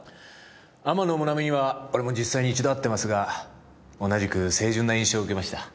天野もなみには俺も実際に一度会ってますが同じく清純な印象を受けました。